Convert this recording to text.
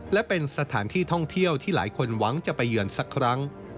และเป็นสถานที่ท่องเที่ยวที่หลายคนหวังจะไปเยือนสักครั้ง